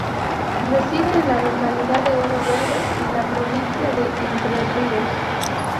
Reside en la localidad de Oro Verde, en la provincia de Entre Ríos.